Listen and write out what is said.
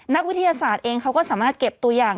นักวิทยาศาสตร์เองเขาก็สามารถเก็บตัวอย่าง